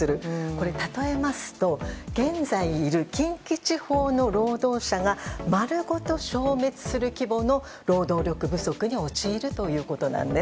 これ、例えますと現在いる近畿地方の労働者が丸ごと消滅する規模の労働力不足に陥るということなんです。